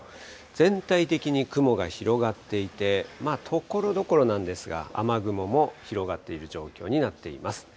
全体的に雲が広がっていて、ところどころなんですが、雨雲も広がっている状況になっています。